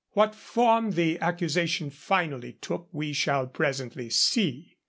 What form the accusation finally took, we shall presently see.